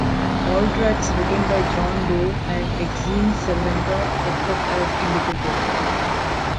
All tracks written by John Doe and Exene Cervenka except as indicated.